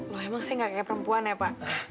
loh emang saya gak kayak perempuan ya pak